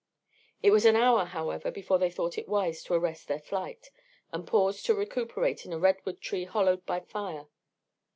It was an hour, however, before they thought it wise to arrest their flight and pause to recuperate in a redwood tree hollowed by fire.